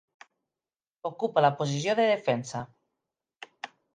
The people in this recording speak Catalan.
Ocupa la posició de defensa.